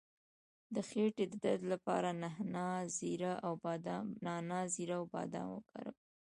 د خیټې د درد لپاره نعناع، زیره او بادیان وکاروئ